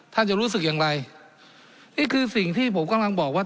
ท่านจะรู้สึกอย่างไรนี่คือสิ่งที่ผมกำลังบอกว่า